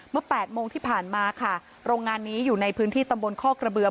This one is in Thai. แปดโมงที่ผ่านมาค่ะโรงงานนี้อยู่ในพื้นที่ตำบลคอกระเบือ